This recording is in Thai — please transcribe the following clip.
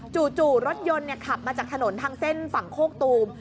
จู่รถยนต์ขับมาจากถนนทางเส้นฝั่งโคกตูม